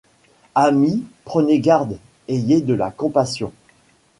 Amis, prenez garde, ayez de la compassion.